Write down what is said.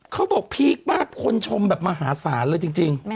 เขาบอกพีคมากคนชมแบบมหาศาลเลยจริง